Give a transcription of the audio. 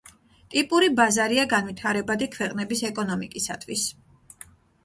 ტიპური ბაზარია განვითარებადი ქვეყნების ეკონომიკისათვის.